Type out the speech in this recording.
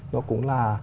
nó cũng là